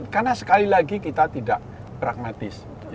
karena sekali lagi kita tidak pragmatis